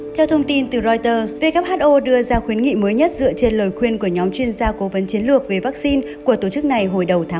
theo thông tin từ reuters who đưa ra khuyến nghị mới nhất dựa trên lời khuyên của nhóm chuyên gia cố vấn chiến lược về vaccine của tổ chức này hồi đầu tháng năm